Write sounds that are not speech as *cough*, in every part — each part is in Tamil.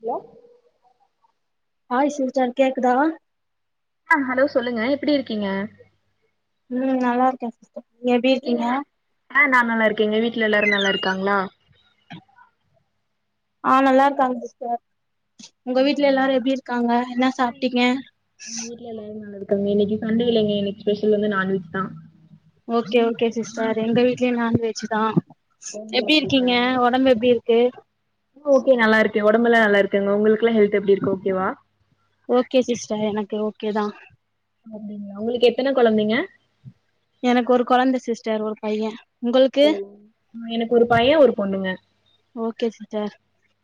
ஹலோ ஆ *unintelligible* கேக்குதா ஆ ஹலோ சொல்லுங்க எப்டி இருக்கீங்க ம் நல்லா இருக்கே சிஸ்டர் எப்டி நீங்க இருக்கீங்க நல் ஆ நா நல்லா இருக்கேங்க வீட்ல எல்லாரு நல்லா இருக்காங்களா ஆ நல்லா இருக்காங்க சிஸ்டர் உங்க வீட்ல எல்லாரு அப்படிங்களா? எப்டி இருக்காங்க என்ன சாப்ட்டீங்க ட்ல எல்லாரு நல்ல இருக்காங்க இன்னைக்கி சன்டேலங்க இன்னைக்கி ஸ்பெஷல் வந்து நான்வெஜ் தா ஓகே ஓகே சிஸ்டர் எங்க வீட்லயு நான்வெஜ் தா ஓ எப்டி இருக்கீங்க அப்டிங்களா உடம்பு எப்டி இருக்கு ஓகே நல்லா இருக்கே உடம்பெல்ல நல்லா இருக்குங்க உங்களுகெல்லா ஹெல்த் எப்டி இருக்கு ஓகேவா ஓகே சிஸ்டர் எனக்கு ஓகே தா அப்டிங்களா உங்களுக்கு எத்தன கொழந்தைங்க எனக்கு ஒரு கொழந்த சிஸ்டர் ஒரு பைய உங்களுக்கு ஓ எனக்கு ஒரு பைய ஒரு பொண்ணுங்க ஓகே சிஸ்டர்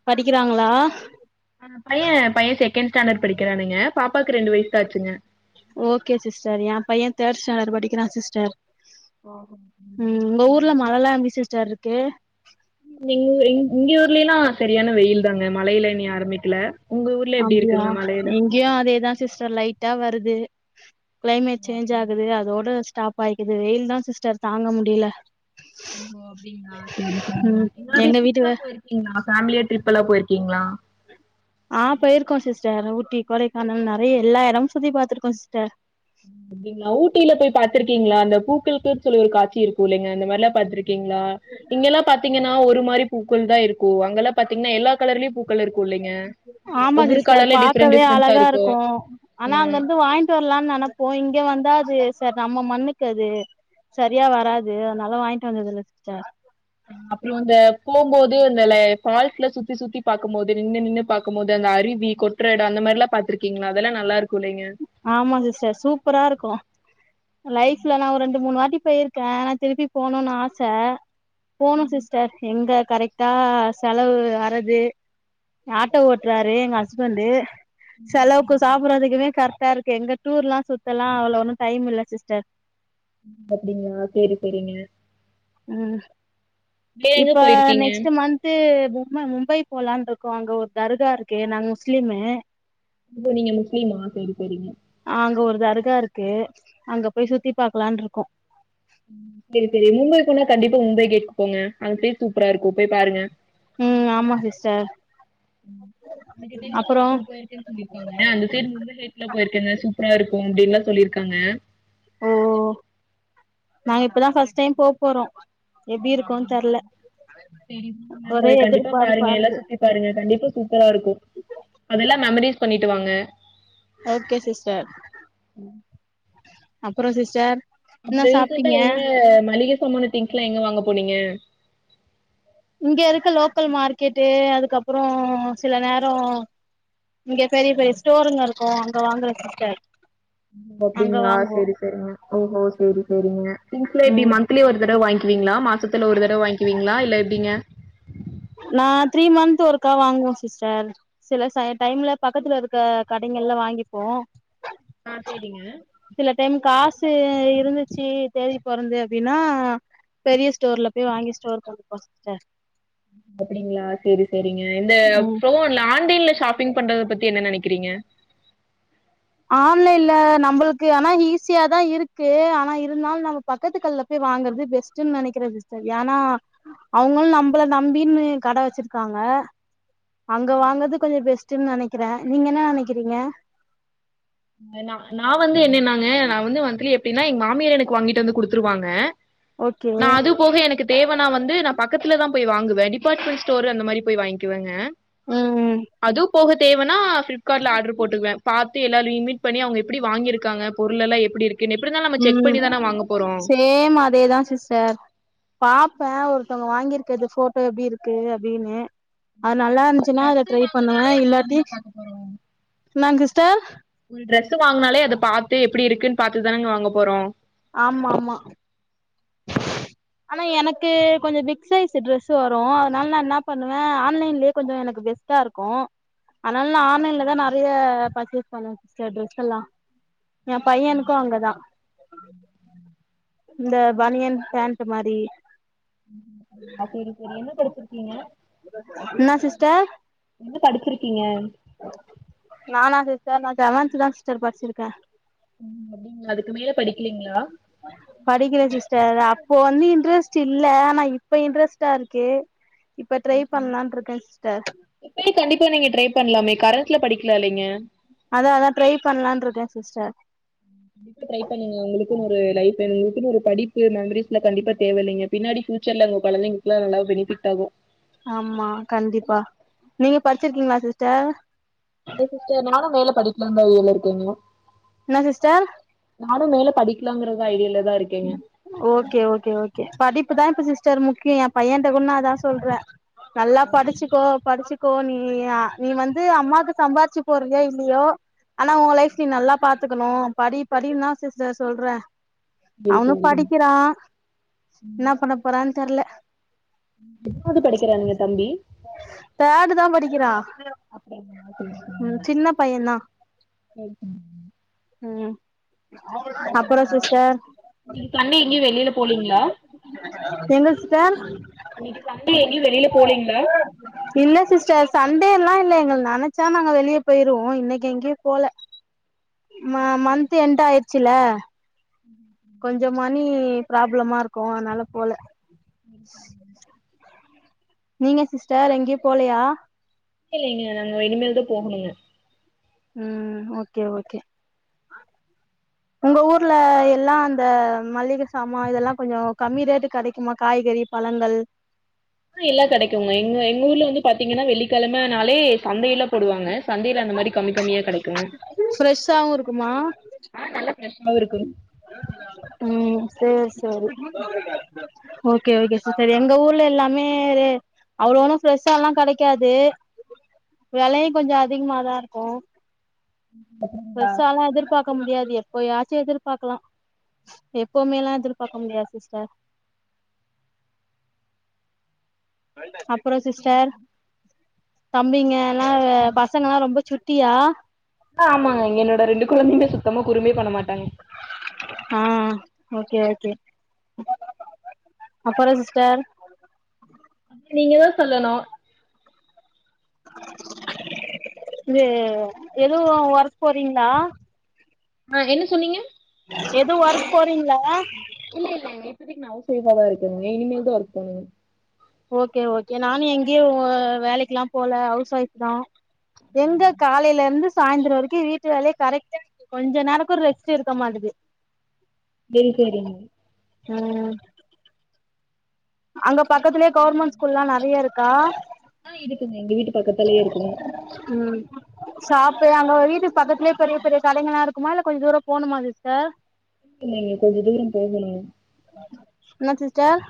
படிக்கிறாங்களா ஆ பைய பைய செகண்ட் ஸ்டாண்டர்டு படிக்கிறானுங்க பாப்பாவுக்கு ரெண்டு வயசுதா ஆச்சுங்க ஓகே சிஸ்டர் எ பைய தேர்டு ஸ்டாண்டர்டு படிக்கிறா சிஸ்டர் ம் உங்க ஊர்ல ஓஹோ மழலா எப்டி சிஸ்டர் இருக்கு எங் எங் இங்க ஊர்லெல்லா செரியான வெயில் தாங்க மழையில இனி ஆரம்பிக்ல உங்க ஊர்ல எப்டி இருக்குங்க மழையில இங்கையு அதேதா சிஸ்டர் லைட்டா வருது கிளைமேட் ஓஹோ சேஞ்ச் அப்டிங் ஆகுது அதோட ஸ்டாப் ப்பாய்க்குது வெயில்தா சிஸ்டர் தாங்க முடியல ஓஹோ அப்படிங்களா சரி சரிங்க ம் எங்களாது எங்க ட்ரிப்ல்லா வீட்டு போயிருக்கீங்களா ஃபேமிலியா ட்ரிப்ல்லா போயிருக்கீங்களா ஆ போயிருக்கோ சிஸ்டர் ஊட்டி கொடைக்கானல் நறைய எல்லா எடமு சுத்தி பாத்திருக்கோ சிஸ்டர் அப்டிங்களா ஊட்டில போய் பாத்துருக்கீங்களா அந்த பூக்கள்ளுக்கு சொல்லி ஒரு காட்சி இருக்கு இலைங்க அந்த மாரிலா பாத்துருக் இருகீங்களா இங்கெல்லா பாத்தீங்கன்னா ஒரு மாரி பூக்கள் தா இருக்கு அங்கெல்லா பாத்தீங்கன்னா எல்லா கலர்லயு பூக் கள் இருக்கு இல்லைங்க ஆமா ஒவ்வொரு சிஸ்டர் கலர்ல டிஃப்ரெண்ட் பாக்கவே டிஃப்ரெண்ட்ஸா அழகா இருக்கு ஆனா ம் அங்கிருந்து வாங் ட்டு வர்லானு நனப்போ இங்க வந்தா அது சர் நம்ம மண்ணுக்கு அது சரியா வராது அதனால வாங்கிட்டு வந்தது இல்ல சிஸ்டர் அ அப்றோ அந்த போம்போது அந்த ல ஃபால்ஸ்ல சுத்தி சுத்தி பாக்கும்மோது நின்னு நின்னு பாக்கும்மோது அந்த அருவி கொற்ற எடோ அந்த மாரில்லா பாத்திருக்கீங்களா அதெல்லா நல்லா இருக்கு இல்லைங்க ஆமா சிஸ்டர் சூப்பரா இருக்கு லைஃப்ல நா ஒரு ரெண்டு மூணு வாட்டி போயிருக்க ஆனா திருப்பி போணுனு ஆச போனு சிஸ்டர் எங்க கரெக்ட் தா செலவு வரது ஆட்டோ ஓட்றாரு எங்க ஹஸ்பண்டு செலவுக்கு சாப்படுறதுக்குமே கரெக்ட்டா இருக்கு எங்க டூர்ல்லா சுத்தலா அவ்ளோ ஒன்னு டைம் இல்ல சிஸ்டர் அ அப்டிங்களா சேரி சேரிங்க ம் வேற எங்க இப்ப போயிருக்கீங்க நெக்ஸ்ட்டு மந்த் து பும்ம மும்பை போலான் இருக்கோ அங்க ஒரு தர்கா இருக்கு நாங்க முஸ்லிமு இப்ப நீங்க முஸ்லீமா சேரி சேரீங்க ஆ அங்க ஒரு தர்கா இருக்கு அங்க போய் சுத்தி பாக்கலான்ருக்கோ சேரி சேரி மும்பை போனா கண்டிப்ப மும்பை கேட்க்கு போங்க அந்த சைடு சூப்பரா இருக்கும் போய் பாருங்க ம் ஆமா சிஸ்டர் அப்புறோ ஃப்ரெண்ட்ஸ் சொல்லிருக்காங்க அந்த சைடு மும்பை சைட்லா போயிருக்கேங்க சூப்பரா இருக்கு அப்டின்னுல்லா சொல்லிருக்காங்க ஓ நாங்க இப்பதா ஃபர்ஸ்ட் டைம் போ போறோ ஓ எப்டி ஓ இருக்குன் தெர்ல அப்டிங்களா சரி ஒரே போய் கண்டிப்பா எதிர்பார்ப்பா பாருங்க எல்லா இருக்கு சுத்தி பாருங்க கண்டிப்பா சூப்பரா இருக்கு அதெல்லா மெமரிஸ் பண்ணிட்டு வாங்க ஓகே சிஸ்டர் அப்பறோ சிஸ்டர் அங்க என்ன ரீசென்ட்டா சாப்ட்டீங்க எங்க மளிகை சாமான திங்க்ஸ்ல்லா எங்க வாங்க போனீங்க இங்க இருக்க லோக்கல் மார்க்கெட்டு அதுக்கப்புறோ சில நேரோ இங்க பெரிய பெரிய ஸ்டோருங்க இருக்கு அங்க வாங்குற சிஸ்டர் ஓ அங்க அப்டிங்களா வாங்குவோ சேரி சேரிங்க ஓஹோ சேரி சேரிங்க திங்ஸ்ல எப்டி ம் ம ந்திலி ஒரு தடவ வாங்கீவீங்களா மாசத்துல ஒரு தடவ வாங்ககீவீங்களா இல்ல எப்படிங்க நா‌ த்ரீ மந்த் ஒர்க்கா வாங்குவ சிஸ்டர் சில ச டைம்ல பக்கத்துல இருக்க கடைகள்ல வாங்கிப்போ ஆ சேரிங்க சில டைம் காசு இருந்துச்சு தேதி பொறந்து அப்டின்னா பெரிய ஸ்டோர்ல போய் வாங்கி ஸ்டோர் பண்ணிப்போ சிஸ்டர் ஓ அப்டிங்களா சேரி சேரிங்க இந்த ம் ஃபோன் இதுல ஆன்டைன்ல ஷாப்பிங் பண்றத பத்தி என்ன நனைக்கிறீங்க ஆன்லைன்ல நம்பளுக்கு ஆனா ஈஸியாதா இருக்கு ஆனா இருந்தாலு நமக் பக்கத்து கட்ல்ல போய் வாங்குறது பெஸ்ட்ன்னு நனைக்கற சிஸ்டர் ஏனா அவுங்களு நம்பள நம்பின்னு கட வச்சிருக்காங்க அங்க வாங்கறது கொஞ்சோ பெஸ்ட்டுன்னு நனைக்கிற நீங்க என்ன நனைக்கிறீங்க நா வந்து என்னன்னாங்க நா வந்து மந்த்லி எப்டின்னா எங்க மாமியார் எனக்கு வாங்கிட்டு வந்து குடுத்துருவாங்க ஓகே நா அது போக எனக்கு தேவனா வந்து நா பக்கத்துல தா போய் வாங்குவ டிபார்ட்மெண்ட் ஸ்டோரு அந்த மாரி போய் வாங்கிகுவங்க ம் அதுவு போக தேவனா பிளிப்கார்ட்ல ஆர்டர் போட்டுக்குவ பாத்து எல்லா லிமிட் பண்ணி அவங்க எப்படி வாங்கிருக்காங்க பொருள் எல்லா எப்டி இருக் எப்டி இருந்தாலு நம் ம் சேம் அதேதா சிஸ் சர் பாப்பே ஒருத்தவங்க வாங்கிருக்கது போட்டோ எப்டி இருக்கு அப்டின்னு அது இப்ப நல்லா நம்ம ஒரு இருந்துச்சுன்னா அத ட்ரெஸ்ஸு ட்ரை பண்ணுவ வாங்குனாலே இல்லாட்டி அப்டிதானுங்க பாக்க போறோ என்னங் சிஸ்டர் ஒரு ட்ரெஸ் வாங்குனாலே அத பாத்து எப்டி இருக்குன் பாத்து தானங்க வாங்க போறோ ஆமாமா *unintelligible* *inaudible* ஆனா எனக்கு கொஞ்சோ பிக் சைஸ் ட்ரெஸ்சு வரு அதனால நா என்ன பண்ணுவ ஆன்லைன்லயே கொஞ்சோ எனக்கு பெஸ் டா இருக்கு அதனால நா ஆன்லைன்லதா நறைய பர்ச்சேஸ் பண்ணுவ சிஸ்டர் ட்ரெஸ் எல்லா எ பையனுக்கு அங்கதா இந்த பனியன் பண்ட் மாரி ஆ சேரி சேரி என்ன படிச்சிருக்கீங்க என்னா சிஸ்டர் என்ன படிச்சிருக்கீங்க நானா சிஸ்டர் நா செவன்த் தா சிஸ்டர் படிச்சிருக்க ம் அப்டிங்ளா அதுக்கு மேல படிக்கிலீங்ளா படிக்கல சிஸ்டர் அப்போ வந்து இன்ட்ரெஸ்ட் இல்ல ஆனா இப்ப இன்ட்ரெஸ்டா இருக்கு இப்ப ட்ரை பண்லான்ட்ருக்க சிஸ்டர் இப்ப கண்டிப்பா நீங்க ட்ரை பண்லாமே கரண்ட்ல படிக்கலால்லிங்க அதா அதா ட்ரை பன்லான்ட்ருக்க சிஸ்டர் கண்டிப்பா ட்ரை பண்ணுங்க உங்களுக்குன் ஒரு லைப் வேணு உங்களுக்குன்னு ஒரு படிப்பு மெமரிஸ்லா கண்டிப்பா தேவ இல்லைங்க பின்னாடி ப்யூச்சர்ல உங்க கொழந்தைங்களுக்கெல்லா நல்லா பெனிஃபிட்டாகு ஆமா கண்டிப்பா நீங்க படிச்சிருக்கீங்ளா சிஸ்டர் இல்ல சிஸ்டர் நானு வேல படிக்கல வழில இருக்கீங்க என்ன சிஸ்டர் நானு மேல படிக்கலாங்கறத ஐடியால தா இருக்கேங்க ஓகே ஓகே ஓகே படிப்புதா இப்ப சிஸ்டர் முக்கியோ எ பையன்ட்ட கூட நா அதா சொல்ற நல்லா படிச்சிக்கோ படிச்சிக்கோ நீ நீ வந்து அம்மாக்கு சம்பாதிச்சி போட்றியா இல்லியோ ஆனா ஒ லைஃப் நீ நல்லா பாத்துக்கணு படி படின் தா சிஸ்டர் சொல்ற சரி அவனு சரிங்க படிக்கிறா ம். என்ன பண்ண போறான் தெர்ல எத்னாது படிக்கிறான்ங்க தம்பி தடு தா படிக்கிறா அப்படிங்களா சரி ம் சரிங்க சின்ன பைய தா *unintelligible* ம் அப்புறோ சிஸ்டர் இன்னிக் காலைல எங்கயு வெளில போலீங்ளா எங்க சிஸ்டர் இன்னிக்கு சண்டே எங்கயு வெளில போலீங்ளா இல்ல சிஸ்டர் சண்டேல்லா இல்ல எங்கல் நனச்சா நாங்க வெளிய பேருவோ இன்னிக்கு எங்கயு போல ம ம், சரி மந்த் எண்ட் ஆய்ருச்சில்ல கொஞ்சோ சரிங்கம்மா. மணி ப்ராப்ளமா இருக்கு அதனால போல *inaudible* நீங்க சிஸ்டர் எங்கயு போலயா இல்லைங்க நாங்க இனிமேல்தா போகணுங்க ம் ஓகே ஓகே உங்க ஊர்ல எல்லா அந்த மல்லிக சாமா இதெல்லா கொஞ்சோ கம்மி ரேட்டுக் கடைக்குமா காய்கறி பழங்கள் ஆ எல்லா கடைக்குங்க எங்க எங்க ஊர்ல வந்து பாத்தீங்கன்னா வெள்ளிக்கழமனாலே சந்தயெல்லா போடுவாங்க சந்தைல அந்தமாரி கம்மி கமியா கடைக்குங்க ஃரெஷ்ஷாவு இருக்குமா ஆ நல்லா ஃரெஷ்ஷாவு இருக்கு ம் சேரி சேரி ஓகே ஓகே சிஸ்டர் எங்க ஊர்ல எல்லாமே அவ்ளோ ஒன்னு ஃப்ரெஷ்ஷாலா கடைக்காது வெலையு கொஞ்சோ அதிகமாதா இருக்கு அப்படிங்களா பெருசாலா எதிர்பாக்க முடியாது எப்போயா எதிர்பாக்கலா எப்போமேலா எதிர்பாக்க முடியாது சிஸ்டர் அப்பறோ சிஸ்டர் அப்புறோ தம்பிங்கலா நீங்க பசங்கலா ரொம்ப சுட் ட்டியா அ ஆமாங்க இங்க என்னோட ரெண்டு கொழந்தைங்க சுத்தமா குரும்பே பண்ணமாட்டாங்க ஆ ஓகே ஓகே அப்பறோ சிஸ்டர் நீங்கதா சொல்லணு இது எதுவு வொர்க் போறீங்ளா ஆ என்ன சொன்னீங்க எது ஒர்க் போறீங்ளா இல்ல இல்ல இப்போதைக்கு நா ஹவுஸ் வைஃபாதா இருக்கங்க இனிமேல்தா ஒர்க் பண்ணுங்க ஓகே ஓகே நானு எங்கயு வேலைக்குல்லா போல ஹவுஸ் ஒய்ஃப்தா எங்க காலைல இருந்து சாய்ந்தரோ வரிக்கு வீட்டு வேலையே கரெக்டா கொஞ்ச நேரக்கு ரெஸ்ட்டு இருக்க மாட்டுது சேரி சேரிங்க ம் அங்க பக்கத்துலயே கவுர்மெண்ட் ஸ்கூல்லா நறைய இருக்கா ஆ இருக்குங்க எங்க வீட்டு பக்கத்துலயே இருக்குதுங்க ம் சாப்புல்லா அங்க வீட்டு பக்கத்துலயே பெரிய பெரிய கடைங்களா இருக்குமா இல்ல கொஞ்ச தூரோ போணுமா சிஸ்டர் நீங்க கொஞ்சோ தூரோ போகணு என்ன சிஸ்டர்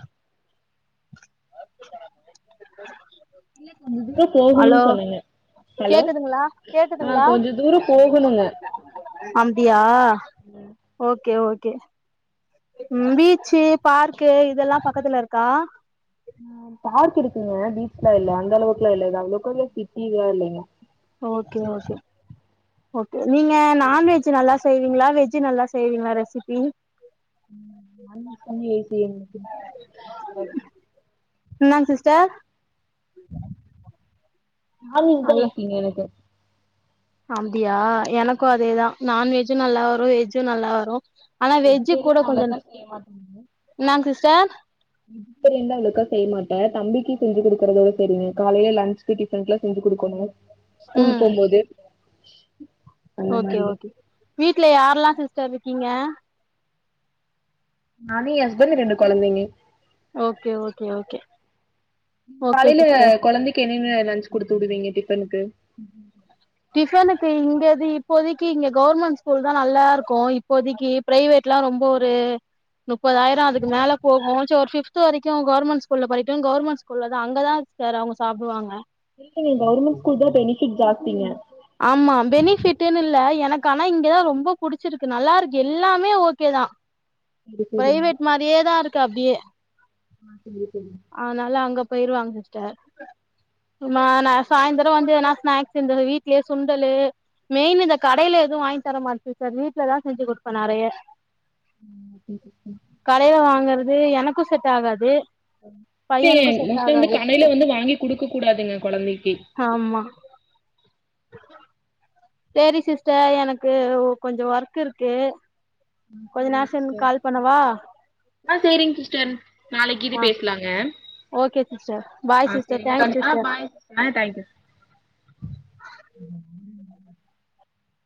இல்ல கொஞ்ச தூரோ போகணுன் சொன்னீங்க கேக்குதுங்ளா கேக்குதுங்ளா கொஞ்ச தூரம் போகணுங்க அப்டியா ஓகே ஓகே ம் பீச்சு பார்க்கு இதெல்லா பக்கத்துல இருக்கா ஆ பார்க் இருக்குங்க பீச்லா இல்ல அந்த அளவுக்குலா இல்ல இது அவ்வளோக்குமே சிட்டிதானா ஓகே ஓகே ஓகே நீங்க நான்வெஜு நல்லா செய்வீங்ளா வெஜு நல்லா செய்வீங்ளா ரெசிப்பி ம் *unintelligible* என்னா சிஸ்டர் நா நீங்தா இருக்கீங்க எனக்கு அம்டியா எனக்கு அதேதா நான்வெஜு நல்லா வரு வெஜ் ஜூ நல்லா வரு ஆனா வெஜ்ஜு கூட வெஜிடேரியன் கொஞ்ச அவ்வளோக்கா செய்ய என்னாங் சிஸ்டர் இப்பறிந்து அவ்ளோக்கா செய்ய மாட்டே தம்பிக்கி செஞ்சி குடுக்கறதோட செரிங்க காலைல லன்ச் சி டிஃப்றென்ட்லா செஞ்சு குடுக்கணு ஸ்கூலுக் ம் போம்போது அந்த ஓகே மாரி. ஓகே வீட்ல யார்லா சிஸ்டர் ருக்கீங்க நானு எ ஹஸ்பண்ட் ரெண்டு கொழந்தைங்க ஓகே ஓகே ஓகே ஓகே காலைல சிஸ்டர் கொழந்தைக்கு என்னென்ன லன்ச் குடுத்து வுடுவீங்க டிஃபனுக்கு டிஃபனுக்கு இங்கது இப்போதைக்கி இங்க கவுர்மெண்ட் ஸ்கூல்தா நல்லாருக்கு இப்போதைக்கிப் பிரைவேட்லா ரொம்ப ஒரு நுப்பதாயிரோ அதுக்கு மேலப் போகு சோ ஒரு ஃபிப்த்து வரைக்கு கவுர்மெண்ட் ஸ்கூல்லப் படிக்ட்டு கவுர்மெண்ட் ஸ்கூல்லதா அங்கதா சார் அவுங்க சாப்டுவாங்க இல்லங்க கவுர்மெண்ட் ஸ்கூல்தா பெனிஃபிட் ஜாஸ்திங்க ஆமா பெனிஃபிட்டுனு இல்ல எனக்கு ஆனா இங்கதா ரொம்ப புடிச்சிருக்கு நல்லாருக்கு எல்லாமே ஓகேதா சரி சரிங்க. பிரைவேட் மாரியேதா இருக்க அப்டியே ஆ சரி சரிங்க அதனால அங்க போயிருவாங்க சிஸ்டர் நானா சாய்ந்தர வந்து எதனா ஸ்நாக்ஸ் இந்தது வீட்லியே சுண்டலு மெயினு இந்தக் கடைல எதுவு வாய்ங்த் தர மாட் சிஸ்டர் வீட்லதா செஞ்சு குடுப்பே நெறைய *inaudible* கடைல வாங்கறது எனக்கு செட் ஆகாது டே பையனுக்கு செட் மோஸ்ட்லி வந்துக் ஆகாது கடைல வந்து வாங்கிக் குடுக்க கூடாதுங்க கொழந்தைக்கி ஹாம்மா சேரி சிஸ்டர் எனக்கு ஒ கொஞ்சோ ஒர்க் இருக்கு கொஞ்ச நேரோ சென் கால் பண்ணவா ஆ சேரிங் சிஸ்டர் நாளைக்கீது ஆ பேச்லாங் ஏம் okay sister bye sister thanks ஆ சிஸ்டர் பாய் ஆ தேங்க்யூ